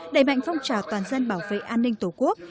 đẩy mạnh phong trào toàn dân bảo vệ an ninh tổ quốc